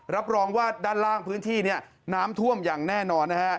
รับรองว่าด้านล่างพื้นที่น้ำท่วมอย่างแน่นอนนะฮะ